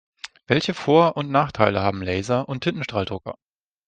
Welche Vor- und Nachteile haben Laser- und Tintenstrahldrucker?